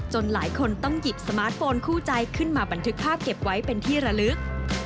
หลายคนต้องหยิบสมาร์ทโฟนคู่ใจขึ้นมาบันทึกภาพเก็บไว้เป็นที่ระลึก